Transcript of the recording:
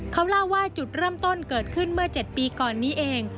เขาเล่าว่าจุดเริ่มต้นเกิดขึ้นเมื่อ๗ปีก่อนนี้เอง